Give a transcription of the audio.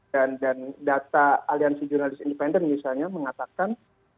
dan data aliansi jurnalis independen misalnya mengatakan